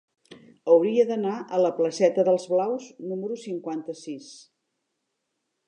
Hauria d'anar a la placeta d'Els Blaus número cinquanta-sis.